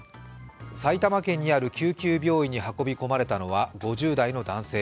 埼玉県にある救急病院に運び込まれたのは５０代の男性。